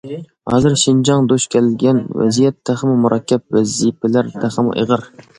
ھازىر شىنجاڭ دۇچ كەلگەن ۋەزىيەت تېخىمۇ مۇرەككەپ، ۋەزىپىلەر تېخىمۇ ئېغىر.